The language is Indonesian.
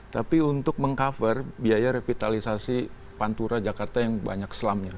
tapi untuk meng cover biaya revitalisasi pantura jakarta yang banyak selamnya